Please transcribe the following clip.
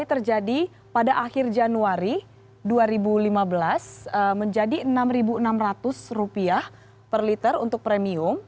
ini terjadi pada akhir januari dua ribu lima belas menjadi rp enam enam ratus per liter untuk premium